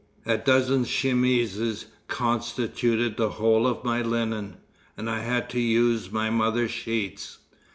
A dozen chemises constituted the whole of my linen, and I had to use my mother's sheets."